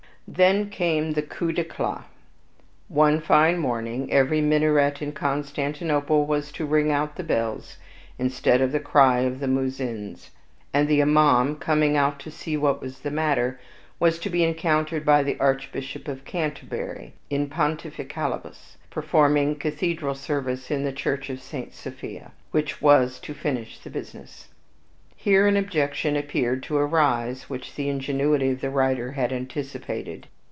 Then comes the coup d'eclat, one fine morning, every minaret in Constantinople was to ring out with bells, instead of the cry of the Muezzins; and the Imaum, coming out to see what was the matter, was to be encountered by the Archbishop of Canterbury, in pontificalibus, performing Cathedral service in the church of St. Sophia, which was to finish the business. Here an objection appeared to arise, which the ingenuity of the writer had anticipated.